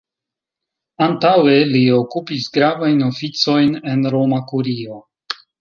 Antaŭe li okupis gravajn oficojn en Roma Kurio.